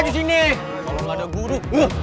sini kalau ada guru